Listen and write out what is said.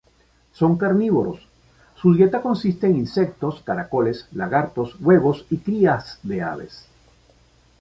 Son carnívoros: su dieta consiste en insectos, caracoles, lagartos, huevos y crías de aves.